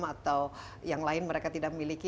atau yang lain mereka tidak memiliki